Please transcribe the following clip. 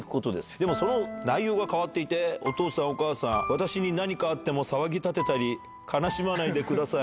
でもその内容が変わっていて、お父さん、お母さん、私に何かあっても騒ぎ立てたり、悲しまないでください。